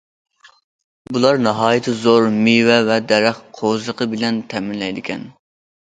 بۇلار ناھايىتى زور مېۋە ۋە دەرەخ قوۋزىقى بىلەن تەمىنلەيدىكەن.